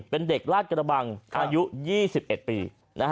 เป็นเด็กลาดกระบังอายุ๒๑ปี